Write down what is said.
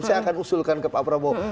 saya akan usulkan ke pak prabowo